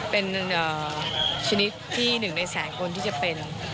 เป็นชนิดที่๑ในแสนคนที่จะเป็น